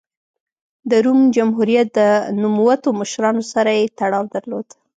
د روم جمهوریت د نوموتو مشرانو سره یې تړاو درلود